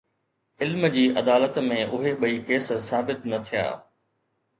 علم جي عدالت ۾ اهي ٻئي ڪيس ثابت نه ٿيا.